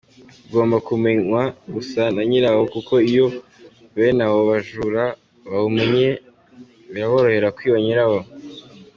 Ugomba kumenywa gusa na nyirawo kuko iyo bene abo bajura bawumenye biraborohera kwiba nyirawo.